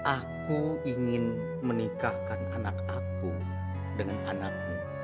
aku ingin menikahkan anak aku dengan anakmu